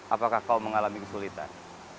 apakah kau mengalami kesulitan